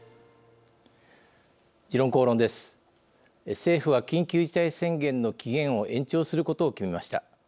政府は、緊急事態宣言の期限を延長することを決めました。